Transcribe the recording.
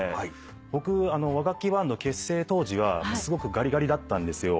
僕和楽器バンド結成当時はすごくがりがりだったんですよ。